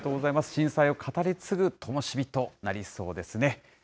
震災を語り継ぐともし火となりそうですね。